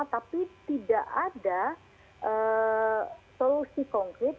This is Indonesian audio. tapi tidak ada solusi konkret